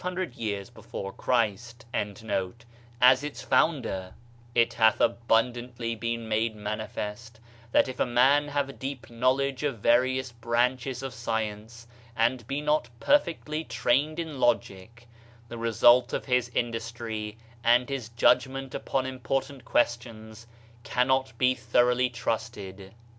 etc. * ZencMi of Elee, «*o lived 500 years before Christ 37 Diaiiizedb, Google MYSTERIOUS FORCES abundantly been made manifest that if a man have a deep knowledge of various branches of science, and be not perfectly trained in logic, the result of his industry, and his judgment upon important questions, cannot be thoroughly trusted.